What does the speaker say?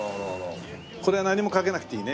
これは何もかけなくていいね